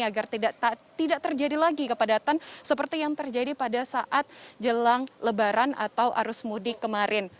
agar tidak terjadi lagi kepadatan seperti yang terjadi pada saat jelang lebaran atau arus mudik kemarin